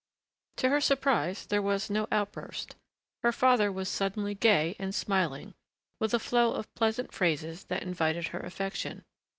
To her surprise there was no outburst. Her father was suddenly gay and smiling, with a flow of pleasant phrases that invited her affection.